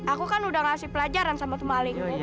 aku kan udah ngasih pelajaran sama teman aling